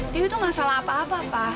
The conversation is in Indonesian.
dewi tuh gak salah apa apa papa